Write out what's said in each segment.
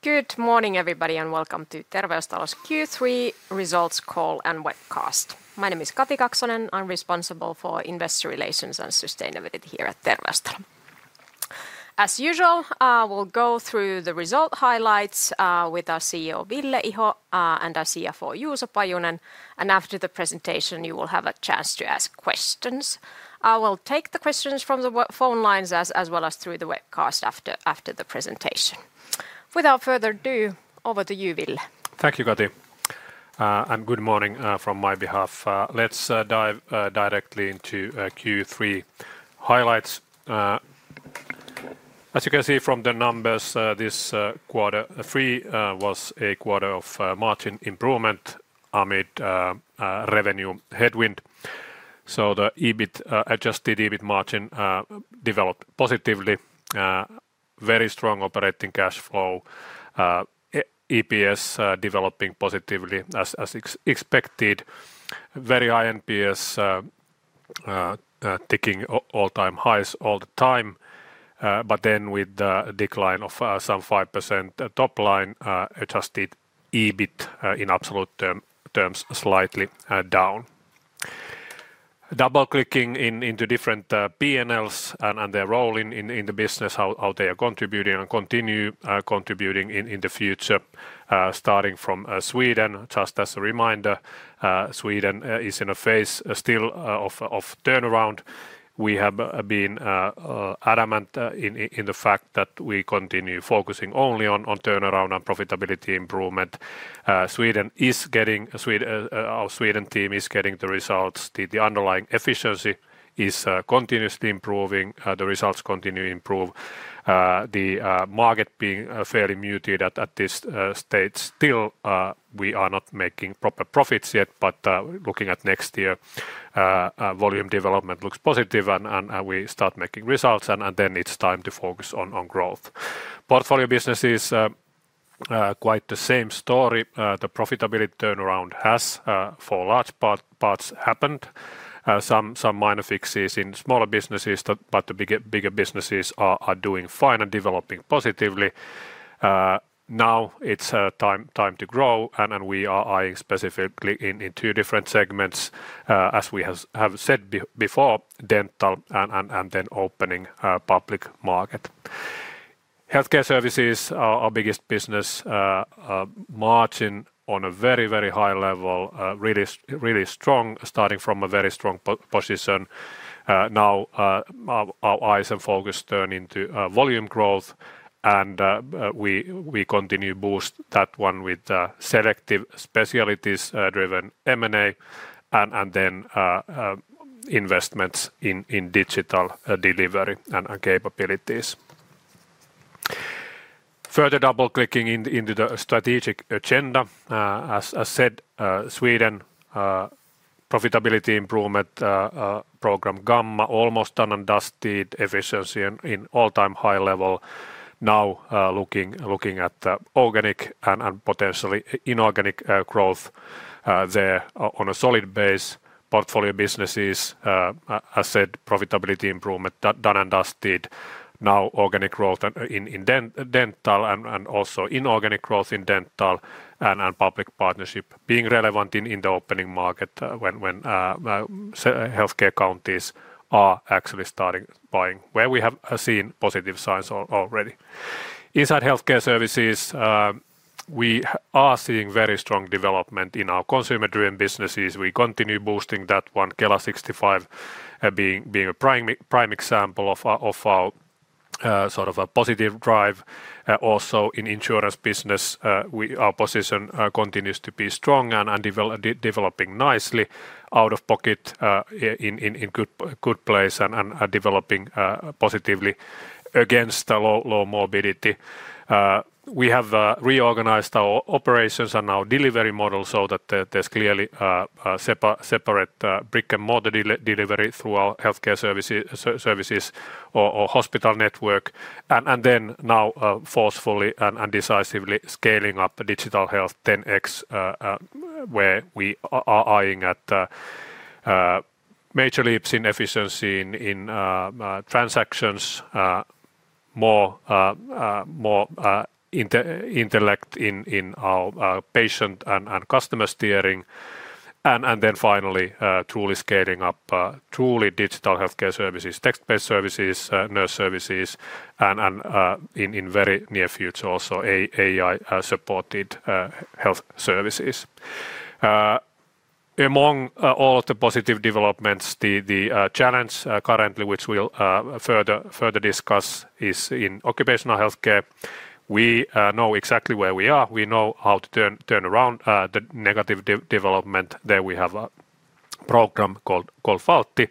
Good morning, everybody, and welcome to Terveystalo's Q3 results call and webcast. My name is Kati Kaksonen. I'm responsible for Investor Relations and Sustainability here at Terveystalo. As usual, we'll go through the result highlights with our CEO, Ville Iho, and our CFO, Juuso Pajunen. After the presentation, you will have a chance to ask questions. We'll take the questions from the phone lines as well as through the webcast after the presentation. Without further ado, over to you, Ville. Thank you, Kati, and good morning from my behalf. Let's dive directly into Q3 highlights. As you can see from the numbers, this quarter 3 was a quarter of margin improvement amid revenue headwind. The EBIT, adjusted EBIT margin, developed positively. Very strong operating cash flow, EPS developing positively as expected. Very high NPS, ticking all-time highs all the time. With the decline of some 5% top line, adjusted EBIT in absolute terms slightly down. Double-clicking into different P&Ls and their role in the business, how they are contributing and continue contributing in the future. Starting from Sweden, just as a reminder, Sweden is in a phase still of turnaround. We have been adamant in the fact that we continue focusing only on turnaround and profitability improvement. Our Sweden team is getting the results. The underlying efficiency is continuously improving. The results continue to improve. The market being fairly muted at this stage still. We are not making proper profits yet, but looking at next year, volume development looks positive and we start making results, and then it's time to focus on growth. Portfolio businesses, quite the same story. The profitability turnaround has for large parts happened. Some minor fixes in smaller businesses, but the bigger businesses are doing fine and developing positively. Now it's time to grow, and we are eyeing specifically in two different segments. As we have said before, dental and then opening public market. Healthcare Services, our biggest business, margin on a very, very high level, really strong, starting from a very strong position. Now our eyes and focus turn into volume growth, and we continue to boost that one with selective specialties driven M&A, and then investments in digital delivery and capabilities. Further double-clicking into the strategic agenda. As I said, Sweden, profitability improvement program [GAMA], almost done and dusted, efficiency in all-time high level. Now looking at organic and potentially inorganic growth there on a solid base. Portfolio businesses, as I said, profitability improvement done and dusted. Now organic growth in dental and also inorganic growth in dental, and public partnership being relevant in the opening market when healthcare counties are actually starting buying, where we have seen positive signs already. Inside Healthcare Services, we are seeing very strong development in our consumer-driven businesses. We continue boosting that one, Kela 65, being a prime example of our sort of positive drive. Also in the insurance business, our position continues to be strong and developing nicely. Out of pocket in a good place and developing positively against the low morbidity. We have reorganized our operations and our delivery model so that there's clearly a separate brick and mortar delivery through our Healthcare Services or hospital network. Now forcefully and decisively scaling up Digital Health 10x, where we are eyeing major leaps in efficiency in transactions, more intellect in our patient and customer steering, and finally truly scaling up truly digital healthcare services, text-based services, nurse services, and in the very near future also AI-supported health services. Among all of the positive developments, the challenge currently, which we'll further discuss, is in Occupational Healthcare. We know exactly where we are. We know how to turn around the negative development. There we have a program called VALTTI,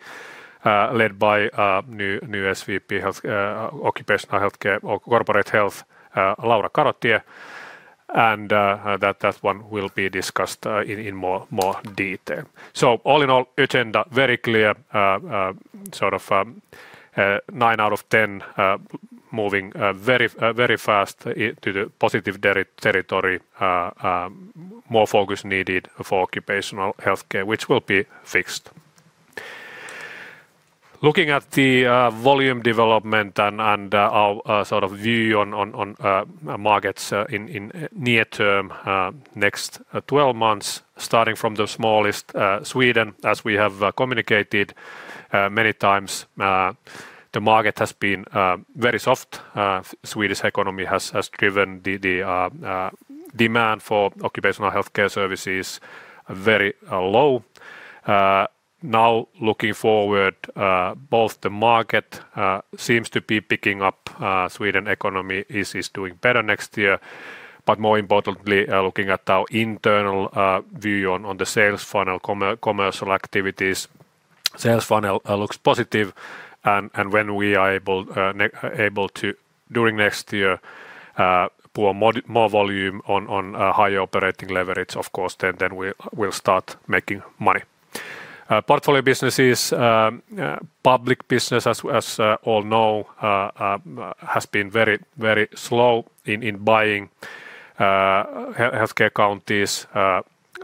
led by new SVP of Occupational Healthcare, Corporate Health, Laura Karotie. That one will be discussed in more detail. All in all, agenda very clear, sort of 9/10, moving very fast to the positive territory. More focus needed for Occupational Healthcare, which will be fixed. Looking at the volume development and our view on markets in the near term, next 12 months, starting from the smallest. Sweden, as we have communicated many times, the market has been very soft. Swedish economy has driven the demand for Occupational Healthcare Services very low. Now looking forward, both the market seems to be picking up. Sweden's economy is doing better next year. More importantly, looking at our internal view on the sales funnel, commercial activities, sales funnel looks positive. When we are able to, during next year, pour more volume on higher operating leverage, of course, then we will start making money. Portfolio businesses, public business, as we all know, has been very, very slow in buying. Healthcare counties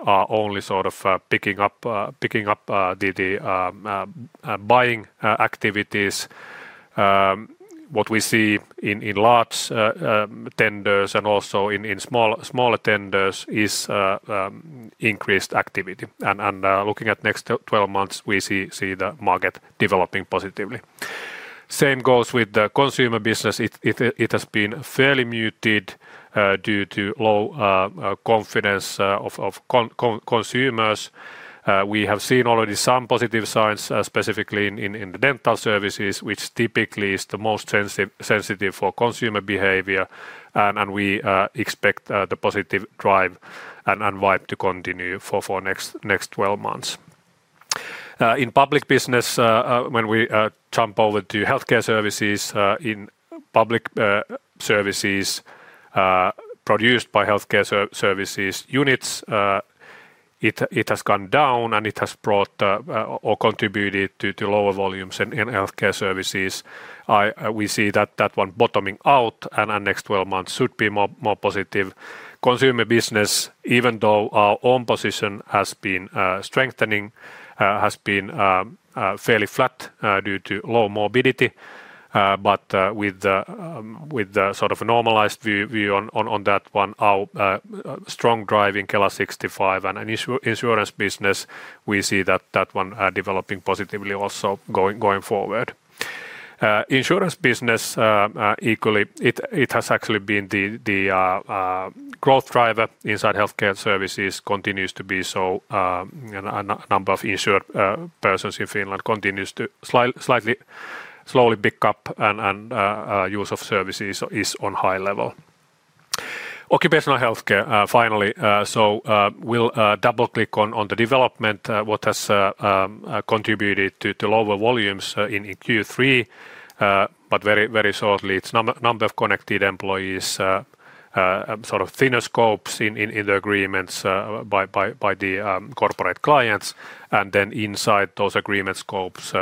are only sort of picking up the buying activities. What we see in large tenders and also in smaller tenders is increased activity. Looking at the next 12 months, we see the market developing positively. Same goes with the consumer business. It has been fairly muted due to low confidence of consumers. We have seen already some positive signs, specifically in the dental services, which typically is the most sensitive for consumer behavior. We expect the positive drive and vibe to continue for the next 12 months. In public business, when we jump over to Healthcare Services, in public services produced by Healthcare Services units, it has gone down and it has brought or contributed to lower volumes in Healthcare Services. We see that one bottoming out and the next 12 months should be more positive. Consumer business, even though our own position has been strengthening, has been fairly flat due to low morbidity. With the sort of normalized view on that one, our strong drive in Kela 65 and insurance business, we see that one developing positively also going forward. Insurance business, equally, it has actually been the growth driver inside Healthcare Services, continues to be so. A number of insured persons in Finland continues to slightly slowly pick up and use of services is on a high level. Occupational Healthcare, finally, so we'll double-click on the development, what has contributed to lower volumes in Q3. Very shortly, it's a number of connected employees, sort of thinner scopes in the agreements by the corporate clients. Inside those agreement scopes,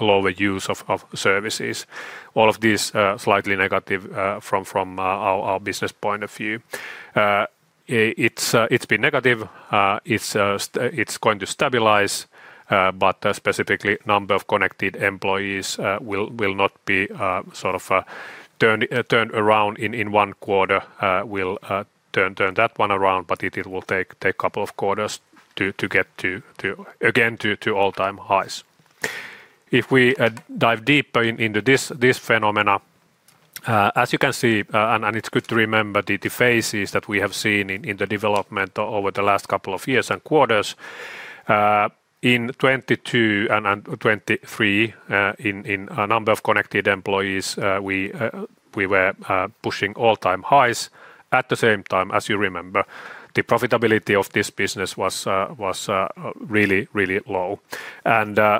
lower use of services. All of these are slightly negative from our business point of view. It's been negative. It's going to stabilize, specifically the number of connected employees will not be sort of turned around in one quarter. We'll turn that one around, but it will take a couple of quarters to get to, again, to all-time highs. If we dive deeper into this phenomenon, as you can see, and it's good to remember the phases that we have seen in the development over the last couple of years and quarters. In 2022 and 2023, in a number of connected employees, we were pushing all-time highs. At the same time, as you remember, the profitability of this business was really, really low.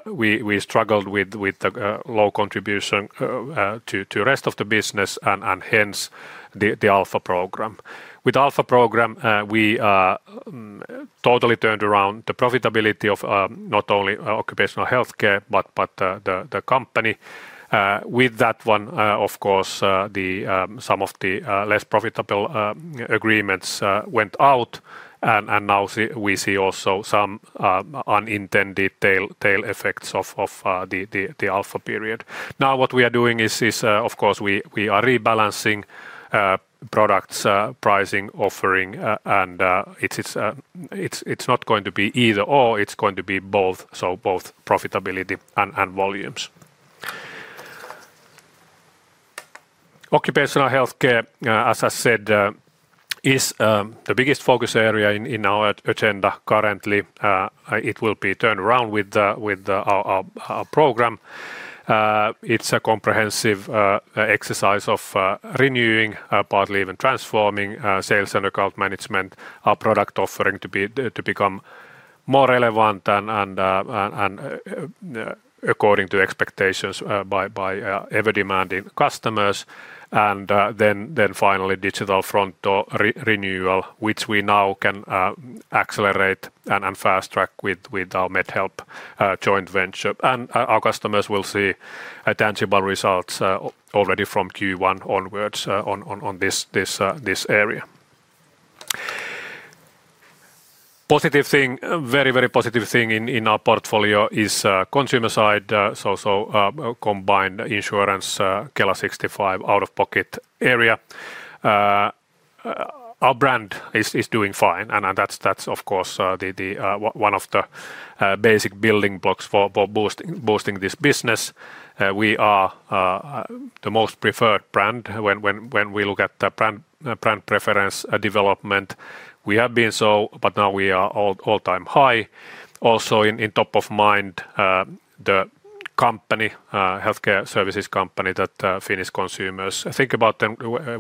We struggled with the low contribution to the rest of the business and hence the Alpha Program. With the Alpha Program, we totally turned around the profitability of not only Occupational Healthcare, but the company. With that one, of course, some of the less profitable agreements went out. Now we see also some unintended tail effects of the Alpha period. Now what we are doing is, of course, we are rebalancing products, pricing, offering, and it's not going to be either or, it's going to be both, so both profitability and volumes. Occupational Healthcare, as I said, is the biggest focus area in our agenda currently. It will be turned around with our program. It's a comprehensive exercise of renewing, partly even transforming sales and account management, our product offering to become more relevant and according to expectations by ever-demanding customers. Finally, digital front door renewal, which we now can accelerate and fast-track with our MedHelp joint venture. Our customers will see tangible results already from Q1 onwards on this area. A positive thing, very, very positive thing in our portfolio is consumer side, so combined insurance, Kela 65 out-of-pocket area. Our brand is doing fine, and that's, of course, one of the basic building blocks for boosting this business. We are the most preferred brand when we look at brand preference development. We have been so, but now we are all-time high. Also, in top of mind, the company, healthcare services company that Finnish consumers think about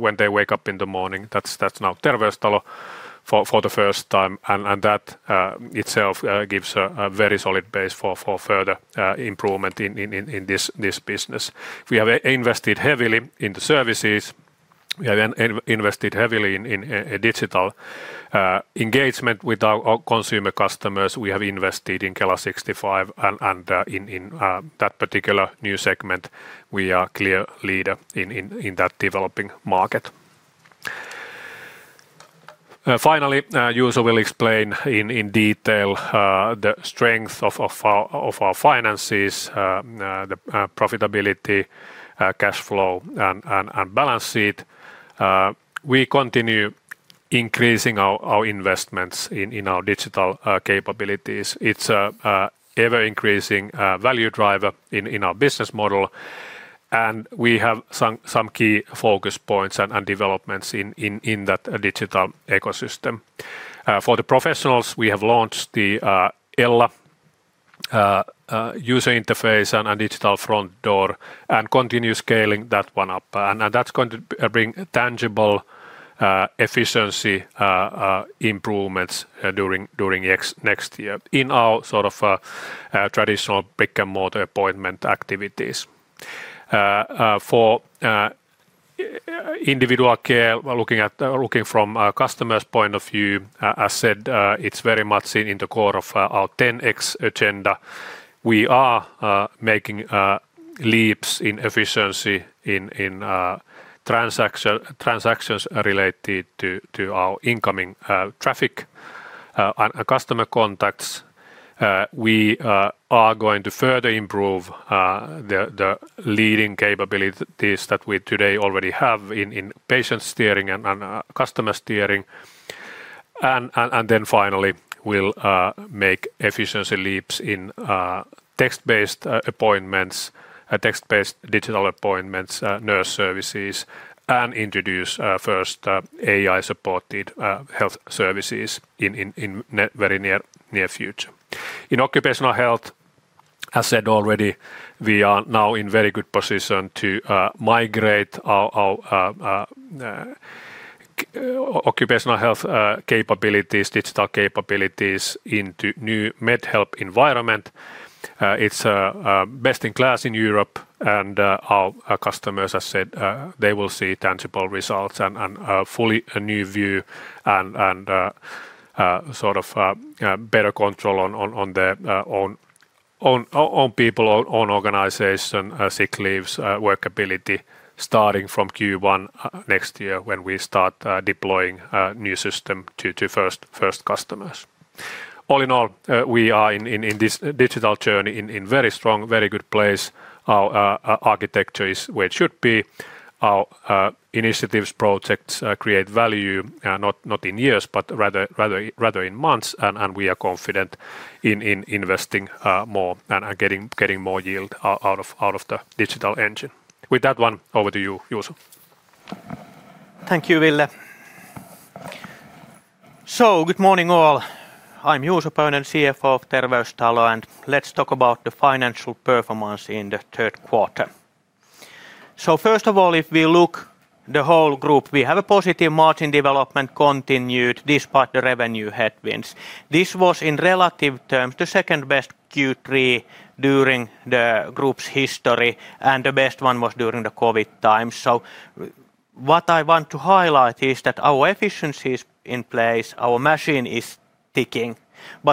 when they wake up in the morning, that's now Terveystalo for the first time. That itself gives a very solid base for further improvement in this business. We have invested heavily in the services. We have invested heavily in digital engagement with our consumer customers. We have invested in Kela 65, and in that particular new segment, we are a clear leader in that developing market. Finally, Juuso will explain in detail the strength of our finances, the profitability, cash flow, and balance sheet. We continue increasing our investments in our digital capabilities. It's an ever-increasing value driver in our business model. We have some key focus points and developments in that digital ecosystem. For the professionals, we have launched the Ella user interface and digital front door, and continue scaling that one up. That's going to bring tangible efficiency improvements during next year in our sort of traditional brick-and-mortar appointment activities. For individual care, looking from a customer's point of view, as I said, it's very much in the core of our 10x agenda. We are making leaps in efficiency in transactions related to our incoming traffic and customer contacts. We are going to further improve the leading capabilities that we today already have in patient steering and customer steering. Finally, we'll make efficiency leaps in text-based appointments, text-based digital appointments, nurse services, and introduce first AI-supported health services in the very near future. In occupational health, as I said already, we are now in a very good position to migrate our occupational health capabilities, digital capabilities, into a new MedHelp environment. It's best-in-class in Europe, and our customers, as I said, they will see tangible results and a fully new view and sort of better control on their own people, own organization, sick leaves, workability, starting from Q1 next year when we start deploying a new system to first customers. All in all, we are in this digital journey in a very strong, very good place. Our architecture is where it should be. Our initiatives, projects create value, not in years, but rather in months, and we are confident in investing more and getting more yield out of the digital engine. With that one, over to you, Juuso. Thank you, Ville. Good morning all. I'm Juuso Pajunen, CFO of Terveystalo, and let's talk about the financial performance in the third quarter. First of all, if we look at the whole group, we have a positive margin development continued despite the revenue headwinds. This was in relative terms the second best Q3 during the group's history, and the best one was during the COVID times. What I want to highlight is that our efficiency is in place, our machine is ticking.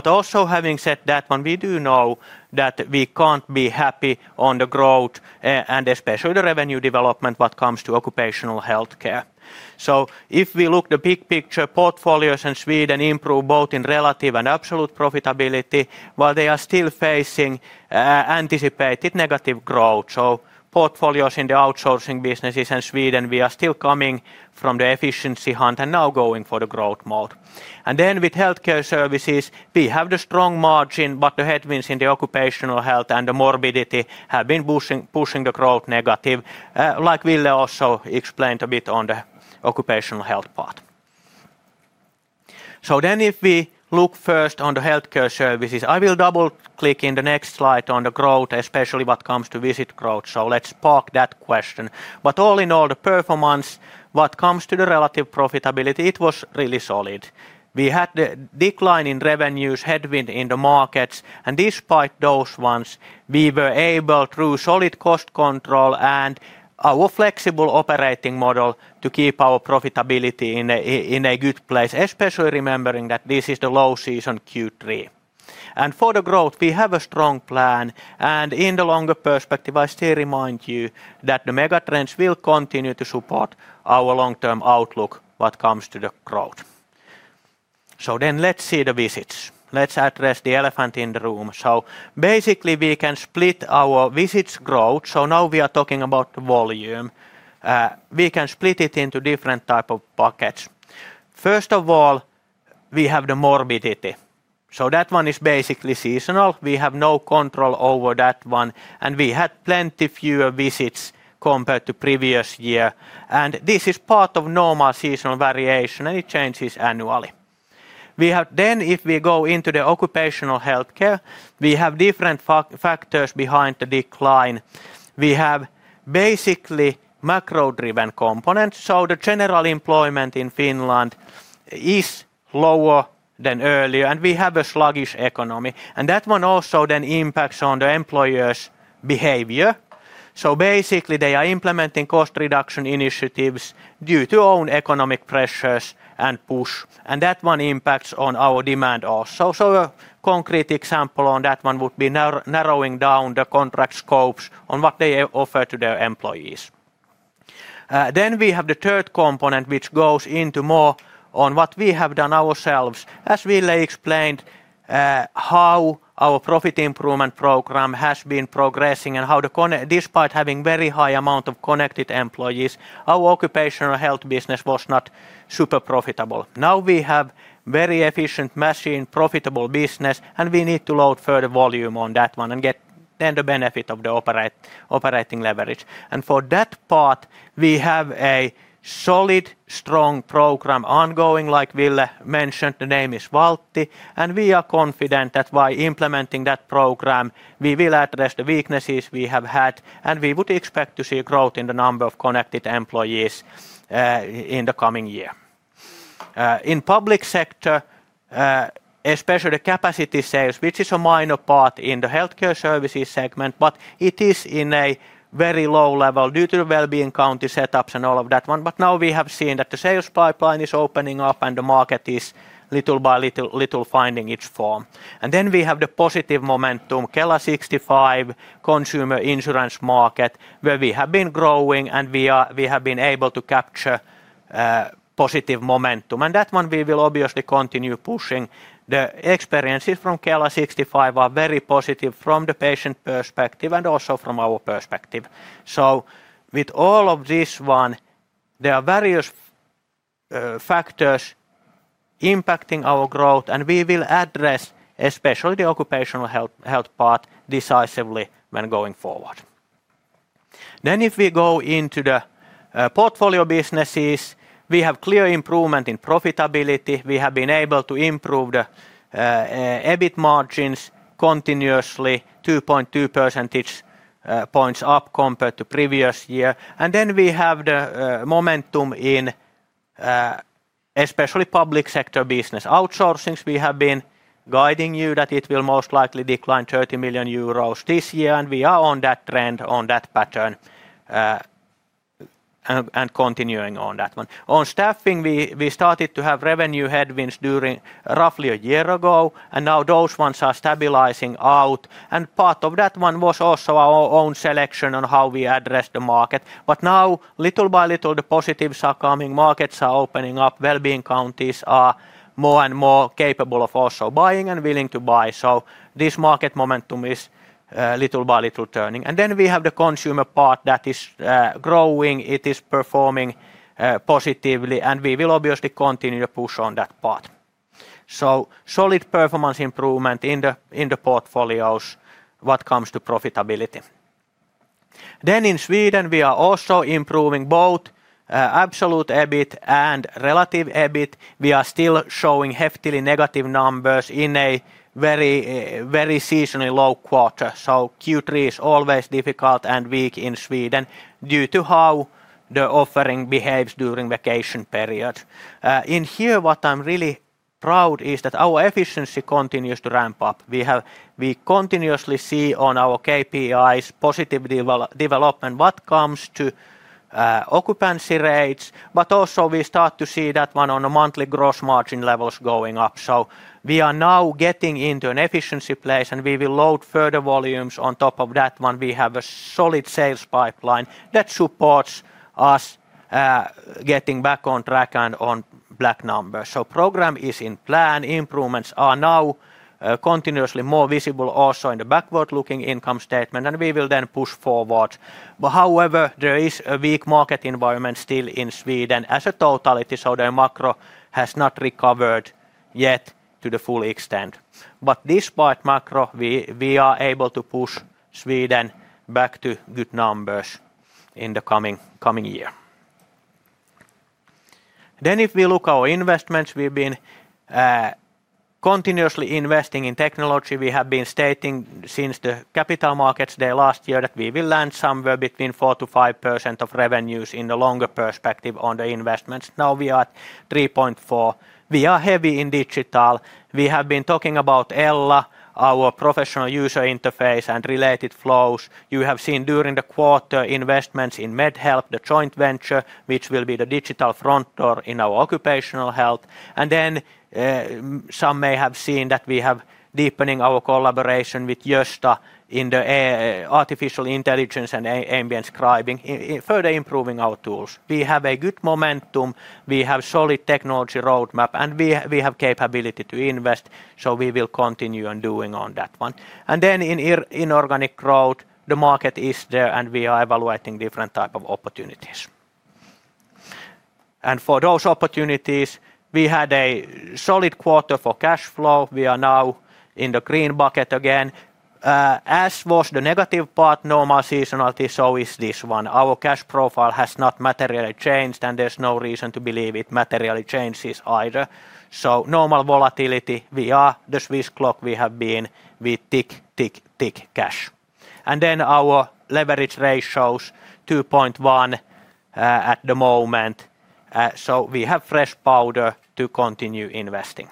Also, having said that, we do know that we can't be happy on the growth and especially the revenue development when it comes to occupational healthcare. If we look at the big picture, portfolios in Sweden improve both in relative and absolute profitability, while they are still facing anticipated negative growth. Portfolios in the outsourcing businesses in Sweden are still coming from the efficiency hunt and now going for the growth mode. With Healthcare Services, we have the strong margin, but the headwinds in the occupational health and the morbidity have been pushing the growth negative, like Ville also explained a bit on the occupational health part. If we look first on the Healthcare Services, I will double-click in the next slide on the growth, especially when it comes to visit growth. Let's park that question. All in all, the performance when it comes to the relative profitability, it was really solid. We had the decline in revenues, headwind in the markets, and despite those, we were able through solid cost control and our flexible operating model to keep our profitability in a good place, especially remembering that this is the low season Q3. For the growth, we have a strong plan. In the longer perspective, I still remind you that the megatrends will continue to support our long-term outlook when it comes to the growth. Let's see the visits. Let's address the elephant in the room. Basically, we can split our visits growth. Now we are talking about volume. We can split it into different types of buckets. First of all, we have the morbidity. That one is basically seasonal. We have no control over that one. We had plenty fewer visits compared to the previous year. This is part of normal seasonal variation, and it changes annually. If we go into the Occupational Healthcare, we have different factors behind the decline. We have basically macro-driven components. The general employment in Finland is lower than earlier, and we have a sluggish economy. That one also impacts the employers' behavior. Basically, they are implementing cost reduction initiatives due to their own economic pressures and push. That one impacts our demand also. A concrete example of that would be narrowing down the contract scopes on what they offer to their employees. We have the third component, which goes more into what we have done ourselves. As Ville explained, how our profit improvement program has been progressing and how despite having a very high amount of connected employees, our occupational health business was not super profitable. Now we have a very efficient machine, profitable business, and we need to load further volume on that one and get the benefit of the operating leverage. For that part, we have a solid, strong program ongoing, like Ville mentioned, the name is VALTTI. We are confident that by implementing that program, we will address the weaknesses we have had, and we would expect to see growth in the number of connected employees in the coming year. In the public sector, especially the capacity sales, which is a minor part in the Healthcare Services segment, it is at a very low level due to the well-being county setups and all of that. Now we have seen that the sales pipeline is opening up and the market is little by little finding its form. We have the positive momentum, Kela 65 consumer insurance market, where we have been growing and we have been able to capture positive momentum. That one we will obviously continue pushing. The experiences from Kela 65 are very positive from the patient perspective and also from our perspective. With all of this, there are various factors impacting our growth, and we will address especially the occupational health part decisively going forward. If we go into the portfolio businesses, we have clear improvement in profitability. We have been able to improve the EBIT margins continuously, 2.2 percentage points up compared to the previous year. We have the momentum in especially public sector business outsourcing. We have been guiding you that it will most likely decline 30 million euros this year, and we are on that trend, on that pattern, and continuing on that. On staffing, we started to have revenue headwinds during roughly a year ago, and now those ones are stabilizing out. Part of that one was also our own selection on how we address the market. Now, little by little, the positives are coming. Markets are opening up. Well-being counties are more and more capable of also buying and willing to buy. This market momentum is little by little turning. We have the consumer part that is growing. It is performing positively, and we will obviously continue to push on that part. Solid performance improvement in the portfolios when it comes to profitability. In Sweden, we are also improving both absolute EBIT and relative EBIT. We are still showing heftily negative numbers in a very, very seasonally low quarter. Q3 is always difficult and weak in Sweden due to how the offering behaves during vacation periods. What I'm really proud of is that our efficiency continues to ramp up. We continuously see on our KPIs positive development when it comes to occupancy rates, but also we start to see that one on the monthly gross margin levels going up. We are now getting into an efficiency place, and we will load further volumes on top of that one. We have a solid sales pipeline that supports us getting back on track and on black numbers. The program is in plan. Improvements are now continuously more visible also in the backward-looking income statement, and we will then push forward. However, there is a weak market environment still in Sweden as a totality, so the macro has not recovered yet to the full extent. Despite macro, we are able to push Sweden back to good numbers in the coming year. If we look at our investments, we've been continuously investing in technology. We have been stating since the capital markets day last year that we will land somewhere between 4%-5% of revenues in the longer perspective on the investments. Now we are at 3.4%. We are heavy in digital. We have been talking about Ella, our professional user interface and related flows. You have seen during the quarter investments in MedHelp, the joint venture, which will be the digital front door in our occupational health. Some may have seen that we have deepened our collaboration with Gösta in the artificial intelligence and ambient scribing, further improving our tools. We have a good momentum. We have a solid technology roadmap, and we have the capability to invest, so we will continue doing on that one. In organic growth, the market is there, and we are evaluating different types of opportunities. For those opportunities, we had a solid quarter for cash flow. We are now in the green bucket again. As was the negative part, normal seasonality, so is this one. Our cash profile has not materially changed, and there's no reason to believe it materially changes either. Normal volatility. We are the Swiss clock we have been. We tick, tick, tick cash. Our leverage ratios are 2.1 at the moment. We have fresh powder to continue investing.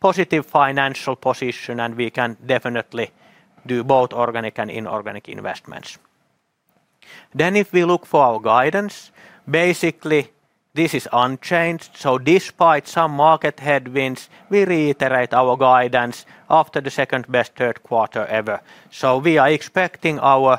Positive financial position, and we can definitely do both organic and inorganic investments. If we look for our guidance, basically, this is unchanged. Despite some market headwinds, we reiterate our guidance after the second best third quarter ever. We are expecting our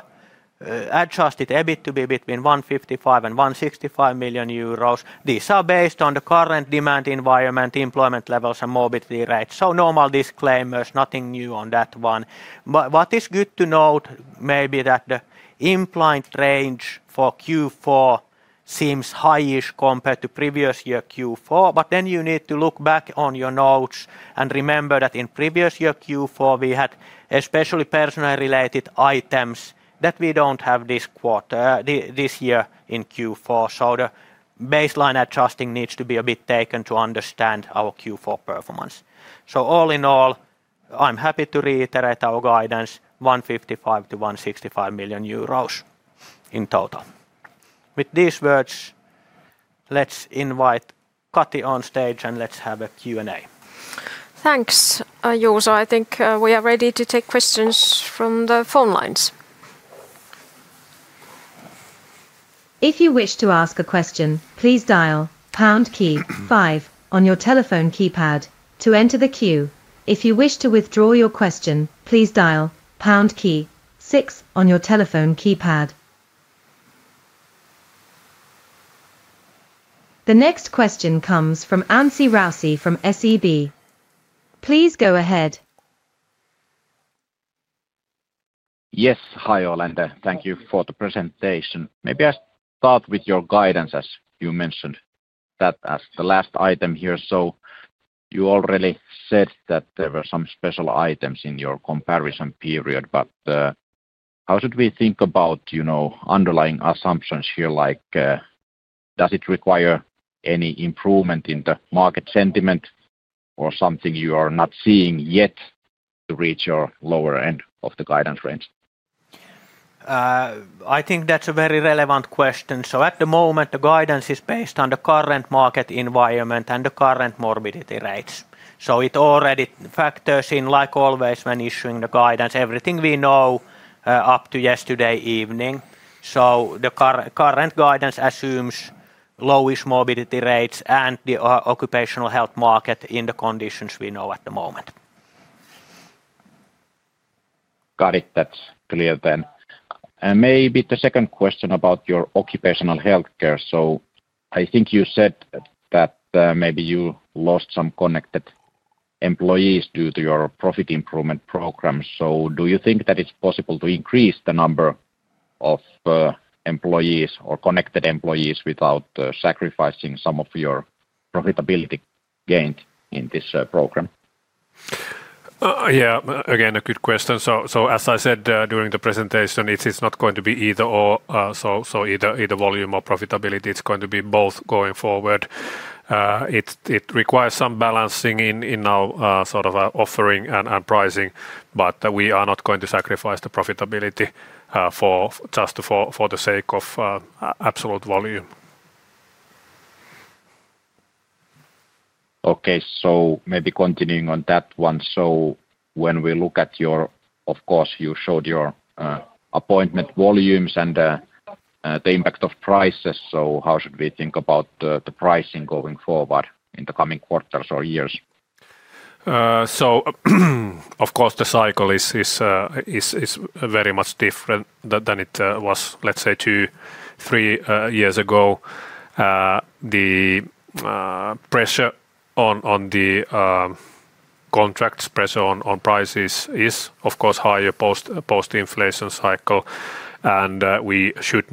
adjusted EBIT to be between 155 million and 165 million euros. These are based on the current demand environment, employment levels, and morbidity rates. Normal disclaimers, nothing new on that one. What is good to note may be that the implied range for Q4 seems highish compared to previous year Q4. You need to look back on your notes and remember that in previous year Q4, we had especially personally related items that we don't have this quarter, this year in Q4. The baseline adjusting needs to be a bit taken to understand our Q4 performance. All in all, I'm happy to reiterate our guidance 155 million-165 million euros in total. With these words, let's invite Kati on stage and let's have a Q&A. Thanks, Juuso. I think we are ready to take questions from the phone lines. If you wish to ask a question, please dial pound key five on your telephone keypad to enter the queue. If you wish to withdraw your question, please dial pound key six on your telephone keypad. The next question comes from Anssi Raussi from SEB. Please go ahead. Yes, hi all, and thank you for the presentation. Maybe I start with your guidance, as you mentioned that as the last item here. You already said that there were some special items in your comparison period, but how should we think about, you know, underlying assumptions here, like does it require any improvement in the market sentiment or something you are not seeing yet to reach your lower end of the guidance range? I think that's a very relevant question. At the moment, the guidance is based on the current market environment and the current morbidity rates. It already factors in, like always when issuing the guidance, everything we know up to yesterday evening. The current guidance assumes lowish morbidity rates and the occupational health market in the conditions we know at the moment. Got it. That's clear then. Maybe the second question about your occupational health care. I think you said that maybe you lost some connected employees due to your profit improvement program. Do you think that it's possible to increase the number of employees or connected employees without sacrificing some of your profitability gains in this program? Yeah, again, a good question. As I said during the presentation, it's not going to be either or. Either volume or profitability, it's going to be both going forward. It requires some balancing in our sort of offering and pricing, but we are not going to sacrifice the profitability just for the sake of absolute volume. Okay, maybe continuing on that one. When we look at your, of course, you showed your appointment volumes and the impact of prices. How should we think about the pricing going forward in the coming quarters or years? The cycle is very much different than it was, let's say, two, three years ago. The pressure on the contracts, pressure on prices is, of course, higher post-inflation cycle. You should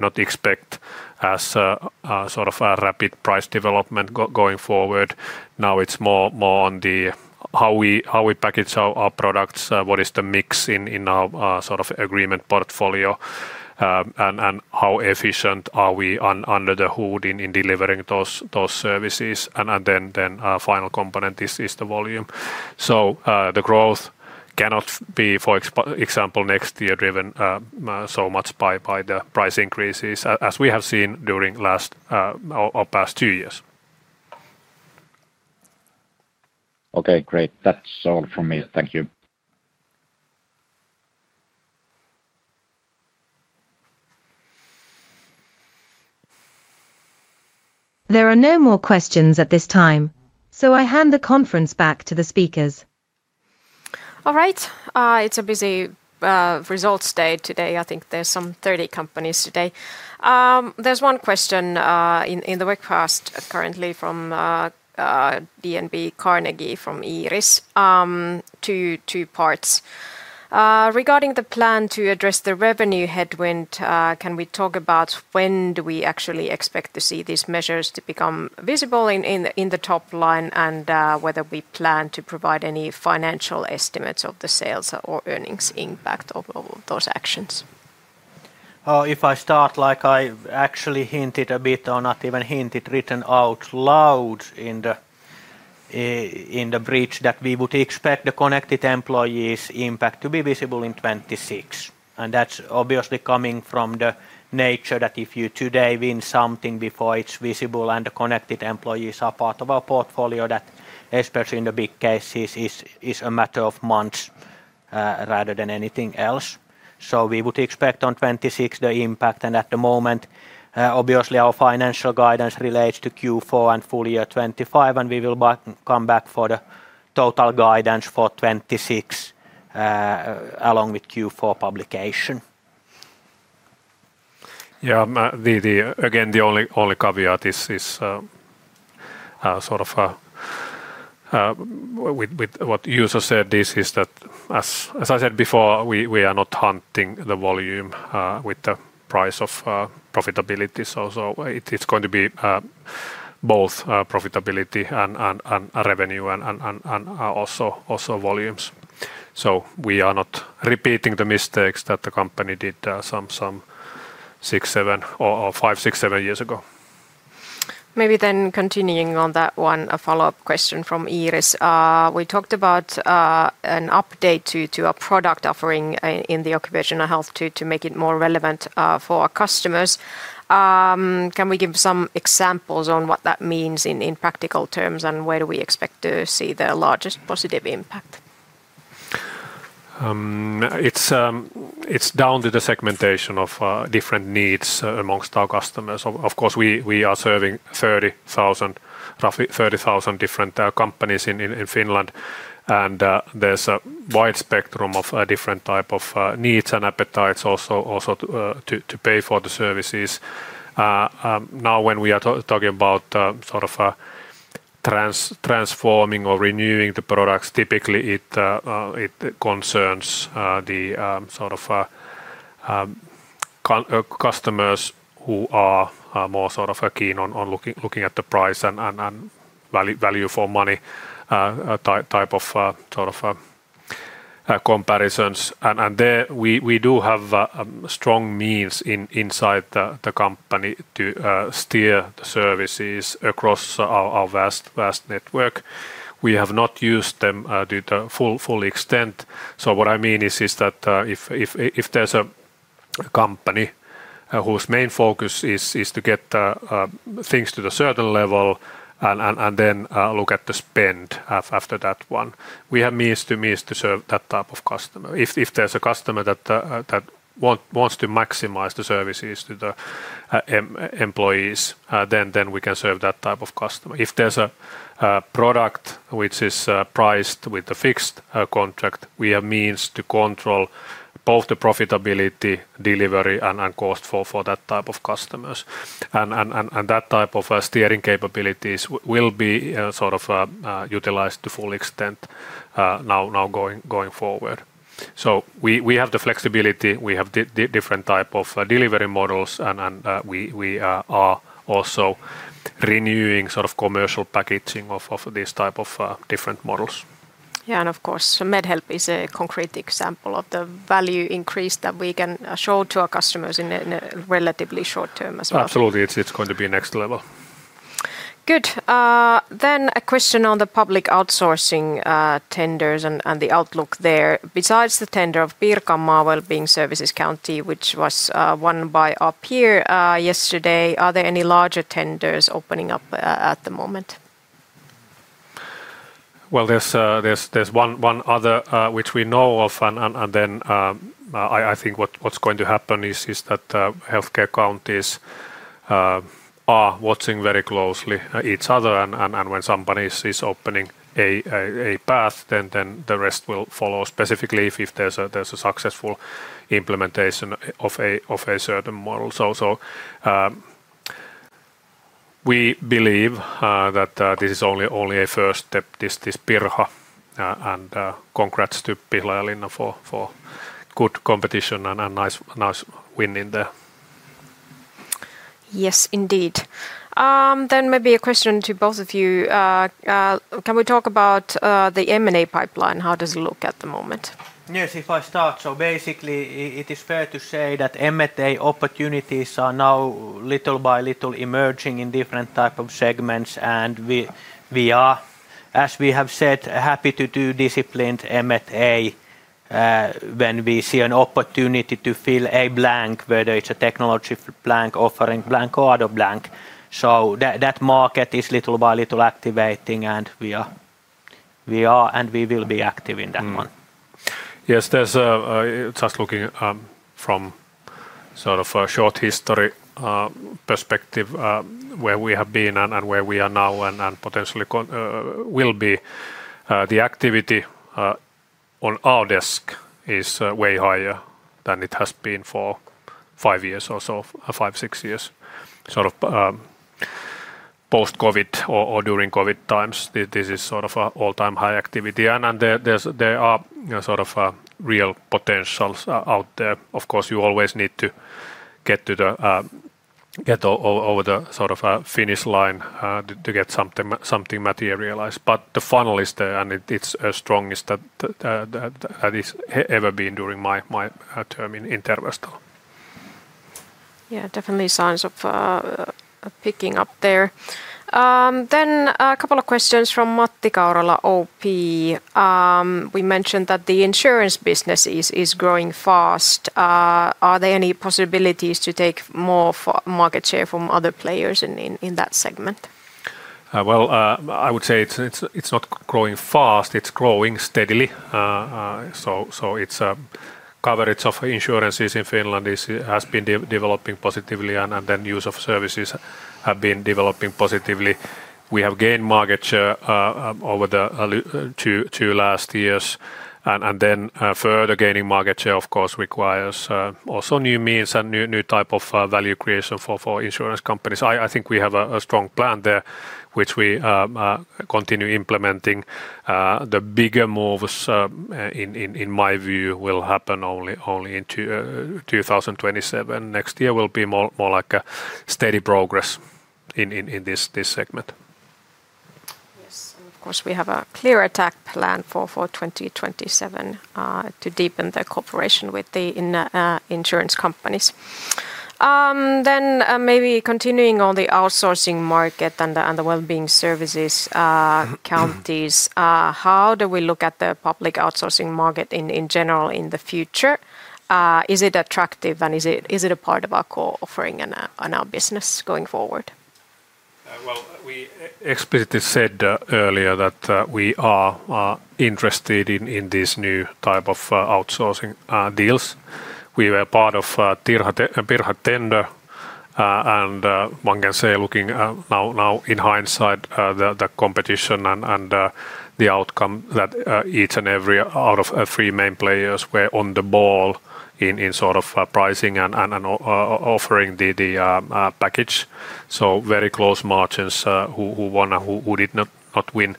not expect a sort of rapid price development going forward. Now it's more on how we package our products, what is the mix in our sort of agreement portfolio, and how efficient are we under the hood in delivering those services. The final component is the volume. The growth cannot be, for example, next year driven so much by the price increases, as we have seen during the past two years. Okay, great. That's all from me. Thank you. There are no more questions at this time, so I hand the conference back to the speakers. All right. It's a busy results day today. I think there's some 30 companies today. There's one question in the webcast currently from DNB Carnegie from [Iris], two parts. Regarding the plan to address the revenue headwind, can we talk about when do we actually expect to see these measures become visible in the top line and whether we plan to provide any financial estimates of the sales or earnings impact of those actions? If I start, like I actually hinted a bit or not even hinted, written out loud in the bridge that we would expect the connected employees' impact to be visible in 2026. That's obviously coming from the nature that if you today win something before it's visible and the connected employees are part of our portfolio, that especially in the big cases is a matter of months rather than anything else. We would expect in 2026 the impact. At the moment, obviously, our financial guidance relates to Q4 and full year 2025. We will come back for the total guidance for 2026 along with Q4 publication. Yeah, again, the only caveat is with what Juuso said, this is that as I said before, we are not hunting the volume with the price of profitability. It is going to be both profitability and revenue and also volumes. We are not repeating the mistakes that the company did some six, seven, or five, six, seven years ago. Maybe then continuing on that one, a follow-up question from [Iris]. We talked about an update to our product offering in the occupational health to make it more relevant for our customers. Can we give some examples on what that means in practical terms, and where do we expect to see the largest positive impact? It's down to the segmentation of different needs amongst our customers. Of course, we are serving 30,000, roughly 30,000 different companies in Finland, and there's a wide spectrum of different types of needs and appetites also to pay for the services. Now, when we are talking about sort of transforming or renewing the products, typically it concerns the sort of customers who are more sort of keen on looking at the price and value for money type of comparisons. There we do have strong means inside the company to steer the services across our vast network. We have not used them to the full extent. What I mean is that if there's a company whose main focus is to get things to a certain level and then look at the spend after that one, we have means to serve that type of customer. If there's a customer that wants to maximize the services to the employees, then we can serve that type of customer. If there's a product which is priced with a fixed contract, we have means to control both the profitability, delivery, and cost for that type of customers. That type of steering capabilities will be sort of utilized to full extent now going forward. We have the flexibility. We have different types of delivery models, and we are also renewing sort of commercial packaging of these types of different models. Yeah, of course, MedHelp is a concrete example of the value increase that we can show to our customers in a relatively short term as well. Absolutely, it's going to be next level. Good. A question on the public outsourcing tenders and the outlook there. Besides the tender of Pirkanmaa Wellbeing Services County, which was won by our peer yesterday, are there any larger tenders opening up at the moment? There is one other which we know of, and I think what's going to happen is that healthcare counties are watching very closely each other. When somebody is opening a path, the rest will follow, specifically if there's a successful implementation of a certain model. We believe that this is only a first step, this Pirha and concrete step Pihlajalinna for good competition and a nice win in there. Yes, indeed. Maybe a question to both of you. Can we talk about the M&A pipeline? How does it look at the moment? Yes, if I start. Basically, it is fair to say that M&A opportunities are now little by little emerging in different types of segments. We are, as we have said, happy to do disciplined M&A when we see an opportunity to fill a blank, whether it's a technology blank, offering blank, or other blank. That market is little by little activating, and we are, and we will be, active in that one. Yes, just looking from sort of a short history perspective where we have been and where we are now and potentially will be. The activity on our desk is way higher than it has been for five years or so, five, six years. Sort of post-COVID or during COVID times, this is sort of an all-time high activity. There are real potentials out there. Of course, you always need to get over the sort of finish line to get something materialized. The funnel is there, and it's as strong as it's ever been during my term in Terveystalo. Yeah, definitely signs of picking up there. A couple of questions from Matti Kaurala, OP. We mentioned that the insurance business is growing fast. Are there any possibilities to take more market share from other players in that segment? It is not growing fast. It is growing steadily. The coverage of insurances in Finland has been developing positively, and the use of services has been developing positively. We have gained market share over the two last years. Further gaining market share, of course, requires also new means and new types of value creation for insurance companies. I think we have a strong plan there, which we continue implementing. The bigger moves, in my view, will happen only in 2027. Next year will be more like a steady progress in this segment. Yes, of course, we have a clear attack plan for 2027 to deepen the cooperation with the insurance companies. Maybe continuing on the outsourcing market and the well-being services counties, how do we look at the public outsourcing market in general in the future? Is it attractive, and is it a part of our core offering and our business going forward? We explicitly said earlier that we are interested in these new types of outsourcing deals. We were part of Pirha tender, and one can say looking now in hindsight, the competition and the outcome that each and every out of three main players were on the ball in sort of pricing and offering the package. Very close margins who won and who did not win.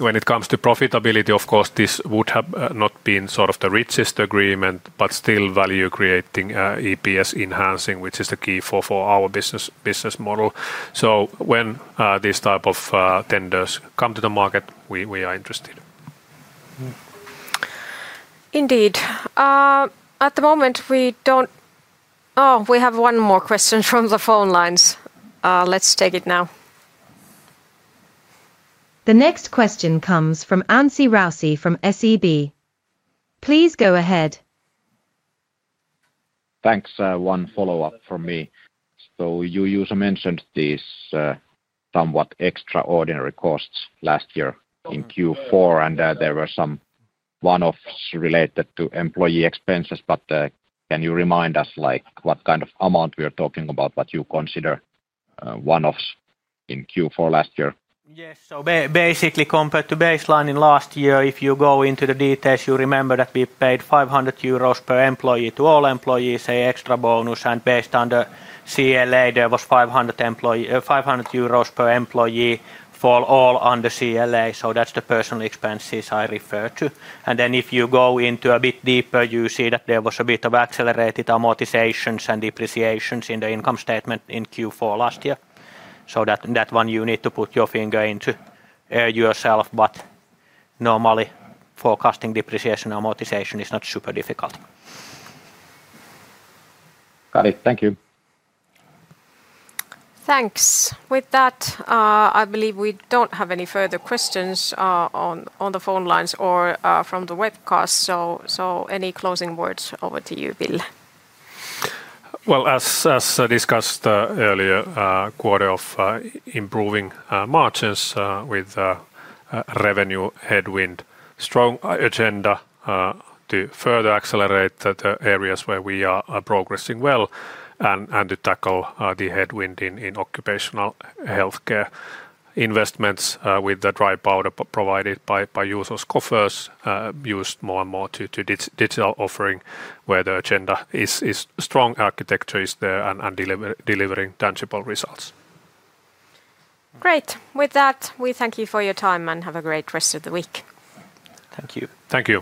When it comes to profitability, of course, this would have not been sort of the richest agreement, but still value creating, EPS enhancing, which is the key for our business model. When these types of tenders come to the market, we are interested. Indeed. At the moment, we don't... Oh, we have one more question from the phone lines. Let's take it now. The next question comes from Anssi Raussi from SEB. Please go ahead. Thanks. One follow-up from me. You mentioned these somewhat extraordinary costs last year in Q4, and there were some one-offs related to employee expenses. Can you remind us what kind of amount we are talking about, what you consider one-offs in Q4 last year? Yes, so basically compared to baseline in last year, if you go into the details, you remember that we paid 500 euros per employee to all employees, an extra bonus. Based on the CLA, there was 500 euros per employee for all under CLA. That's the personal expenses I refer to. If you go into a bit deeper, you see that there was a bit of accelerated amortizations and depreciations in the income statement in Q4 last year. That one you need to put your finger into yourself, but normally forecasting depreciation and amortization is not super difficult. Got it. Thank you. Thanks. With that, I believe we don't have any further questions on the phone lines or from the webcast. Any closing words over to you, Ville? As discussed earlier, a quarter of improving margins with revenue headwind, strong agenda to further accelerate the areas where we are progressing well and to tackle the headwind in occupational health investments with the dry powder provided by Juuso's coffers, used more and more to digital offering where the agenda is strong. Architecture is there and delivering tangible results. Great. With that, we thank you for your time and have a great rest of the week. Thank you. Thank you.